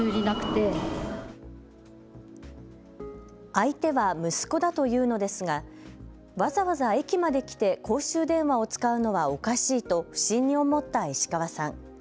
相手は息子だというのですがわざわざ駅まで来て公衆電話を使うのはおかしいと不審に思った石川さん。